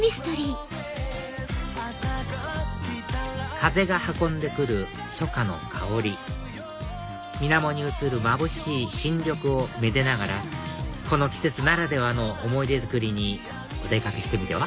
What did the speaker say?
風が運んでくる初夏の薫り水面に映るまぶしい新緑を愛でながらこの季節ならではの思い出作りにお出かけしてみては？